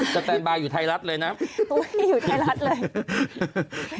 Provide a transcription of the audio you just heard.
สแตนบายอยู่ไทรรัสเลยนะตัวไม่อยู่ไทรรัสเลย